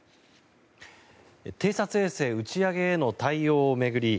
偵察衛星打ち上げへの対応を巡り